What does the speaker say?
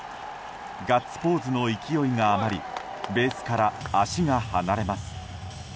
ガッツポーズの勢いがあまりベースから足が離れます。